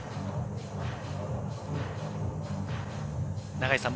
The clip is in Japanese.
永井さん